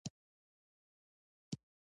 او اوس په تورو خاورو کې پراته دي.